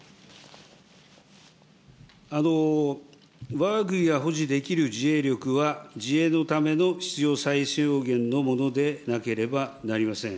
わが国が保持できる自衛力は自衛のための必要最小限のものでなければなりません。